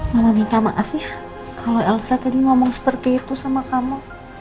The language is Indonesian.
malah minta maaf ya kalau elsa tadi ngomong seperti itu sama kamu